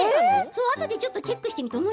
あとでちょっとチェックしてみて見てみる。